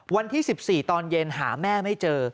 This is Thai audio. วันที่๑๔ตอนเย็นหาแม่ไม่เจอ